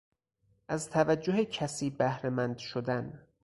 از توجه کسی بهرهمند شدن